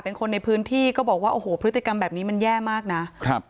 เป็นคนในพื้นที่ก็บอกว่าโอ้โหพฤติกรรมแบบนี้มันแย่มากนะครับ